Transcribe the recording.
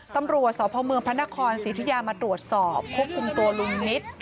ตำรวจสพเมืองพระนครศรีธุยามาตรวจสอบควบคุมตัวลุงนิด